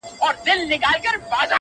د ميني داغ ونه رسېدی_